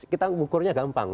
kita ukurnya gampang